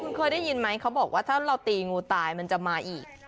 คุณเคยได้ยินไหมเขาบอกว่าถ้าเราตีงูตายมันจะมาอีก